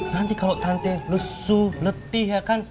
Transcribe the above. nanti kalau tante lesu letih ya kan